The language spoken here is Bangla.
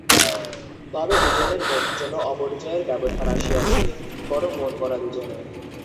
তবে দুজনের মধ্যে যেন অপরিচয়ের ব্যবধান আসিয়াছে, বড় মনমরা দুজনে।